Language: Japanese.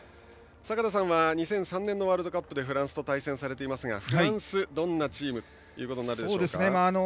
坂田さんは２００３年のワールドカップでフランスと対戦されていますがフランスはどんなチームですか？